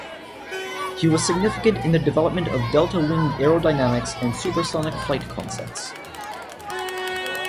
He was significant in the development of delta wing Aerodynamics and supersonic flight concepts.